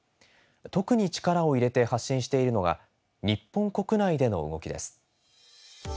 特に力を入れて発信しているのが日本国内での動きです。